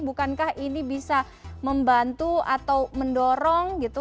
bukankah ini bisa membantu atau mendorong gitu